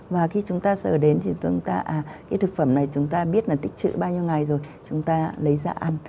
và khi chúng ta sở đến thì chúng ta à cái thực phẩm này chúng ta biết là tích trữ bao nhiêu ngày rồi chúng ta lấy ra ăn